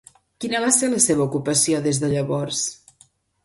Quina va ser la seva ocupació des de llavors?